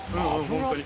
本当に。